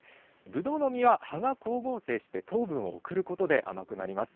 ぶどうの実は葉が光合成して糖分を送ることで、甘くなります。